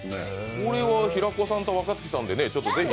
これは平子さんと若槻さんでちょっと。